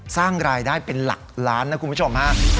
สร้างรายได้เป็นหลักล้านนะคุณผู้ชมฮะ